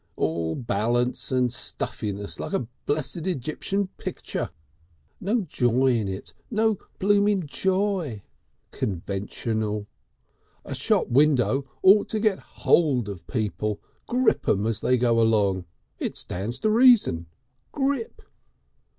All balance and stiffness like a blessed Egyptian picture. No Joy in it, no blooming Joy! Conventional. A shop window ought to get hold of people, grip 'em as they go along. It stands to reason. Grip!"